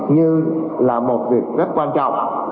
như là một việc rất quan trọng